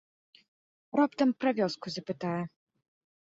Раптам пра вёску запытае.